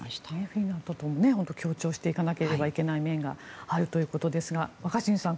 フィンランドとも強調していかなければいけない面があるということですが若新さん